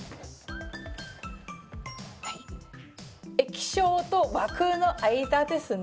液晶と枠の間ですね。